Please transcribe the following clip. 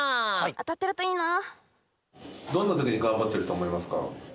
あたってるといいな。